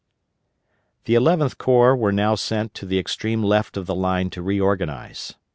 The Eleventh Corps were now sent to the extreme left of the line to reorganize.